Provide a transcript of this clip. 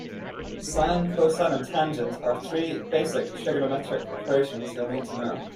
Sine, cosine and tangent are three basic trigonometric equations you'll need to know.